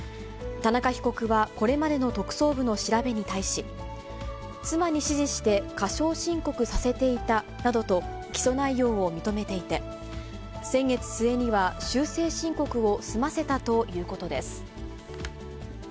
田中被告は、これまでの特捜部の調べに対し、妻に指示して過少申告させていたなどと、起訴内容を認めていて、先月末には修正申告を済ませたということです。